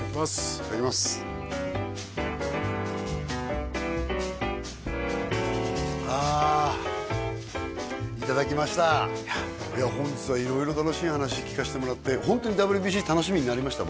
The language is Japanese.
いただきますあいただきました本日は色々楽しい話聞かせてもらってホントにＷＢＣ楽しみになりました